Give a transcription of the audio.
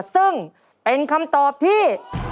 ซึ่งเป็นคำตอบที่